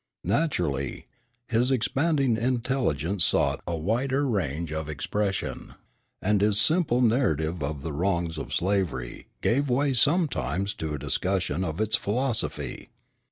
Naturally, his expanding intelligence sought a wider range of expression; and his simple narrative of the wrongs of slavery gave way sometimes to a discussion of its philosophy.